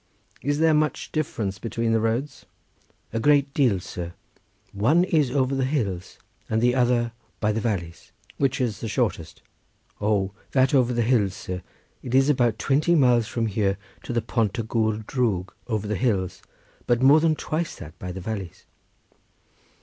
"Is there much difference between the roads?" "A great deal, sir; one is over the hills, and the other round by the valleys." "Which is the shortest?" "O that over the hills, sir; it is about twenty miles from here to the Pont y Gwr Drwg over the hills, but more than twice that by the valleys."